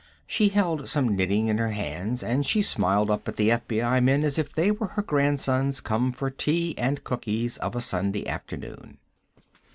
She held some knitting in her hands, and she smiled up at the FBI men as if they were her grandsons come for tea and cookies, of a Sunday afternoon.